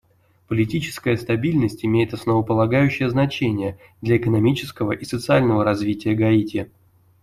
Политическая стабильность имеет основополагающее значение для экономического и социального развития Гаити.